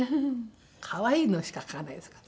可愛いのしか描かないですから。